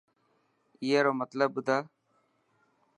اي رو مطلب ٻڌا.